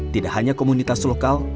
tidak hanya komunitas lokal